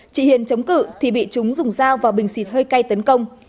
chị hiền chống cử thì bị chúng dùng dao vào bình xịt hơi cay tấn công